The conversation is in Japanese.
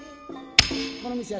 「この店や。